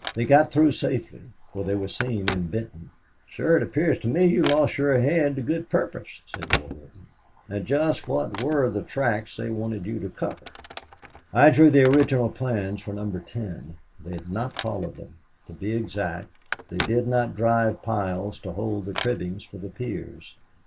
They got through safely, for they were seen in Benton." "Sir, it appears to me you lost your head to good purpose," said Warburton. "Now just what were the tracks they wanted you to cover?" "I drew the original plans for Number Ten. They had not followed them. To be exact, they did not drive piles to hold the cribbings for the piers.